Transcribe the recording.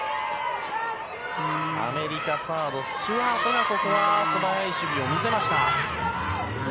アメリカ、サードスチュワートがここは素早い守備を見せました。